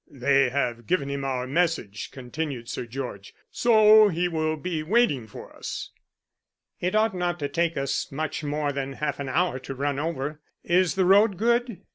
"They have given him our message," continued Sir George, "so he will be waiting for us." "It ought not to take us much more than half an hour to run over. Is the road good?"